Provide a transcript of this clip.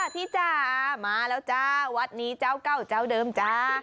จ้ามาแล้วจ้าวัดนี้เจ้าเก่าเจ้าเดิมจ้า